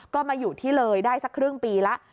ก็มาอยู่ที่เลยได้สักครึ่งปีแล้ว